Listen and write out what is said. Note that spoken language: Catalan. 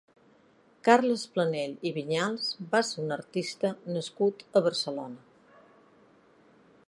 Carles Planell i Viñals va ser un artista nascut a Barcelona.